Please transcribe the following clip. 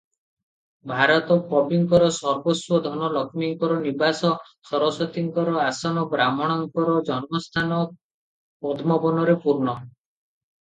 ଭାରତ କବିଙ୍କର ସର୍ବସ୍ୱ ଧନ ଲକ୍ଷ୍ମୀଙ୍କର ନିବାସ, ସରସ୍ୱତୀଙ୍କର ଆସନ, ବ୍ରାହ୍ମଣଙ୍କର ଜନ୍ମସ୍ଥାନ ପଦ୍ମ ବନରେ ପୂର୍ଣ୍ଣ ।